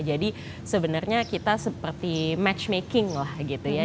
jadi sebenarnya kita seperti matchmaking lah gitu ya